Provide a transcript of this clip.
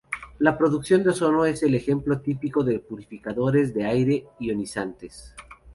La producción de ozono es un ejemplo típico de purificadores de aire ionizantes.